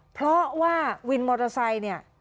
เพราะว่าวินมอเตอร์ไซค์เนี่ย